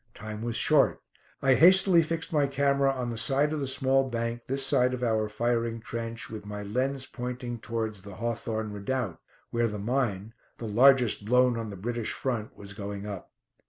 Time was short. I hastily fixed my camera on the side of the small bank, this side of our firing trench, with my lens pointing towards the Hawthorn Redoubt, where the mine the largest "blown" on the British Front was going up.